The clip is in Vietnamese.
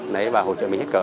đấy và hỗ trợ mình hết cỡ